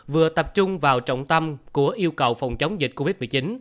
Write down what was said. vừa tập trung vào trọng tâm của yêu cầu phòng chống dịch covid một mươi chín